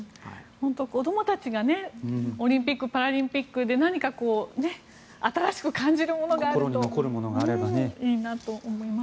子どもたちがオリンピック・パラリンピックで何か新しく感じるものがあるといいなと思います。